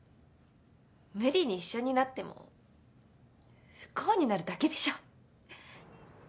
無理に一緒になっても不幸になるだけでしょ。